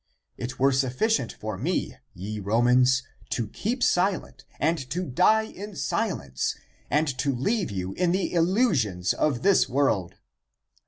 It were sufficient for me, ye ACTS OF PETER IO3 Romans, to keep silent and to die in silence and to leave you in the illusions of this world.